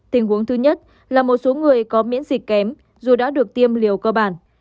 tình huống thứ nhất là một số người có miễn dịch kém dù đã được tiêm liều cơ bản